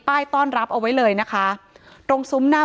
ถ้าใครอยากรู้ว่าลุงพลมีโปรแกรมทำอะไรที่ไหนยังไง